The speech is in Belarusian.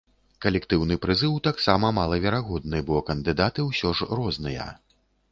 Калектыўны прызыў таксама малаверагодны, бо кандыдаты ўсё ж розныя.